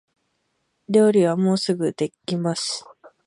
料理はもうすぐできます